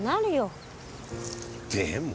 でも。